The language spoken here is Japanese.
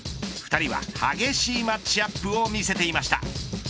２人は激しいマッチアップを見せていました。